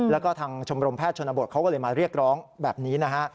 แล้วก็ทางชมรมแพทย์ชนบทเขาก็เลยมาเรียกร้องแบบนี้นะฮะ